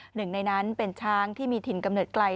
หนึ่งในนั้นเป็นช้างที่มีถิ่นกำเนิดไกล